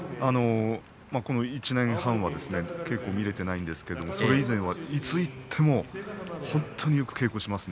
この１年半はあまり見ていませんがそれ以前は、いつ行っても本当によく稽古をしていました。